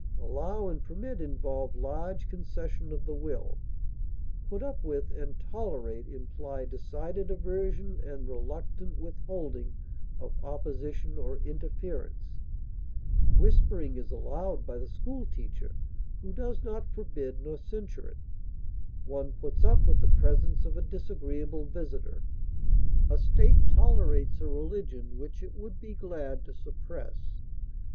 Allow and permit involve large concession of the will; put up with and tolerate imply decided aversion and reluctant withholding of opposition or interference; whispering is allowed by the school teacher who does not forbid nor censure it; one puts up with the presence of a disagreeable visitor; a state tolerates a religion which it would be glad to suppress.